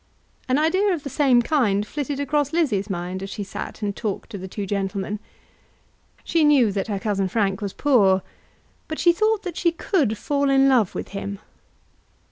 An idea of the same kind flitted across Lizzie's mind as she sat and talked to the two gentlemen. She knew that her cousin Frank was poor, but she thought that she could fall in love with him.